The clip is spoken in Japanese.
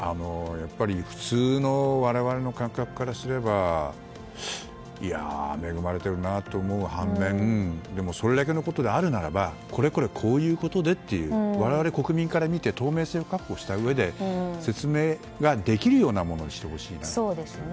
普通の我々の感覚からすれば恵まれているなと思う反面それだけのことであるならばこれこれこういうことでっていう我々国民から見て透明性を確保したうえで説明できるようなものにしてほしいなと。